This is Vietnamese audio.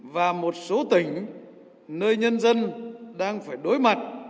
và một số tỉnh nơi nhân dân đang phải đối mặt